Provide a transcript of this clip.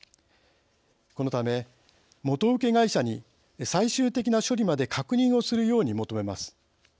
このため、元請け会社に最終的な処理まで確認をするように求めます。